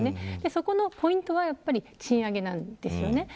そこのポイントはやっぱり賃上げなんですよね。